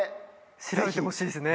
調べてほしいですね。